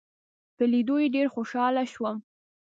په لیدو یې ډېر خوشاله شوم.